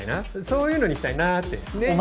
そういうのにしたいなってねっ。